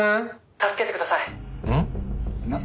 「助けてください」えっ？